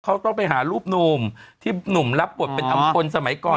เขาต้องไปหารูปหนุ่มที่หนุ่มรับบทเป็นอำพลสมัยก่อน